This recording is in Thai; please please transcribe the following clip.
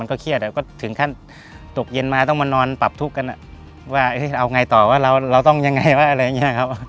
ก็เครียดก็ถึงขั้นตกเย็นมาต้องมานอนปรับทุกข์กันว่าเอาไงต่อว่าเราต้องยังไงวะอะไรอย่างนี้ครับ